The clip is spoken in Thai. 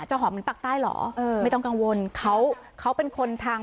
จะหอมเหมือนปากใต้หรอไม่ต้องกังวลเขาเป็นคนทางพื้นที่อยู่แล้ว